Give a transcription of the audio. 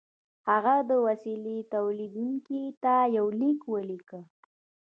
هغه د وسیلې تولیدوونکي ته یو لیک ولیکه